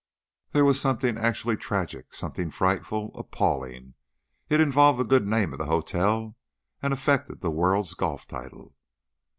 That was something actually tragic, something frightful, appalling; it involved the good name of the hotel and affected the world's golf title.